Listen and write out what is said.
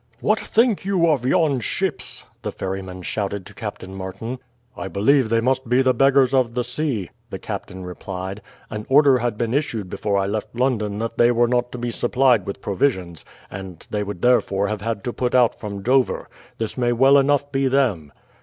"What think you of yon ships?" the ferryman shouted to Captain Martin. "I believe they must be the beggars of the sea," the captain replied. "An order had been issued before I left London that they were not to be supplied with provisions, and they would therefore have had to put out from Dover. This may well enough be them."